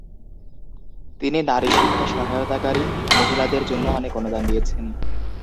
তিনি নারী শিক্ষায় সহায়তাকারী মহিলাদের জন্য অনেক অনুদান দিয়েছেন।